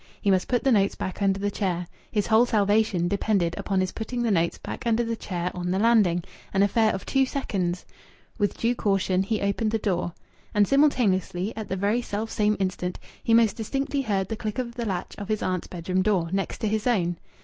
He must put the notes back under the chair. His whole salvation depended upon his putting the notes back under the chair on the landing!... An affair of two seconds!... With due caution he opened the door. And simultaneously, at the very selfsame instant, he most distinctly heard the click of the latch of his aunt's bedroom door, next his own!